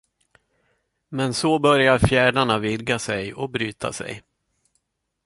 Men så börjar fjärdarna vidga sig och bryta sig.